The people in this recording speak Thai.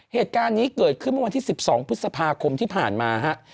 เหตุการณ์นี้เกิดขึ้นเมื่อวันที่๑๒พฤษภาคมที่ผ่านมาฮะ